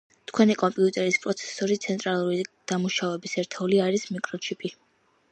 თქვენი კომპიუტერის პროცესორი ცენტრალური დამუშავების ერთეული არის მიკროჩიპი